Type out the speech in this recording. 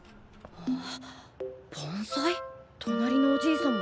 あっ！